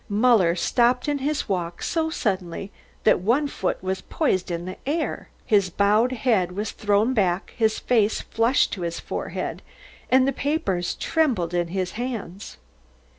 Muller stopped in his walk so suddenly that one foot was poised in the air. His bowed head was thrown back, his face flushed to his forehead, and the papers trembled in his hands.